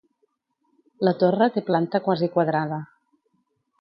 La torre té planta quasi quadrada.